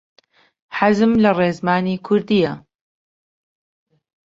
حەزم لە ڕێزمانی کوردییە.